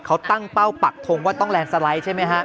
เขาตั้งเป้าปักทงว่าต้องแลนด์สไลด์ใช่ไหมฮะ